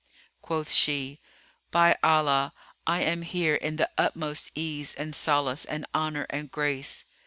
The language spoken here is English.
[FN#311] Quoth she, "By Allah, I am here in the utmost ease and solace and honour and grace!"